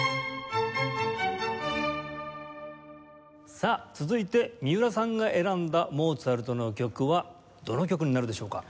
さあ続いて三浦さんが選んだモーツァルトの曲はどの曲になるでしょうか？